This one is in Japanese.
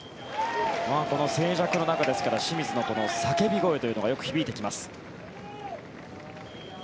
この静寂の中ですから清水の叫び声というのがよく響いてきます。